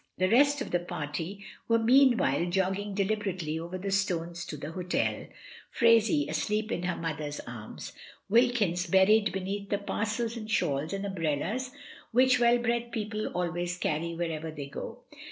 The rest of the party were meanwhile jogging deliberately over the stones to the hotel, Phraisie asleep in her mother's arms, Wilkins buried beneath the parcels and shawls and umbrellas which well bred people always cany wherever they go.